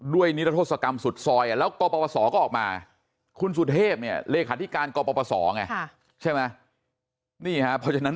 ด้วยนิรัติศกรรมสุดซอยแล้วกปปศก็ออกมาคุณสุทธิพย์เนี่ยเลขาธิการกปปศไงใช่ไหมนี่พอฉะนั้น